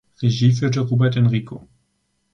Regie führte Robert Enrico.